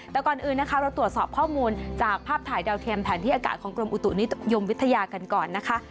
แต่ก่อนอื่นนะคะเราตรวจสอบข้อมูลจากภาพถ่ายดาวเทียมแผนที่อากาศของกรมอุตุนิยมวิทยากันก่อนนะคะ